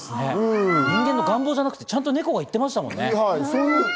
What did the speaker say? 人間の願望ではなくて猫がちゃんと言ってましたもんね。